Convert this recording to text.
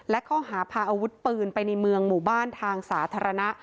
และข้อหาพาอาวุธปืนไปในเมืองหมู่บ้านทางสาธารณะ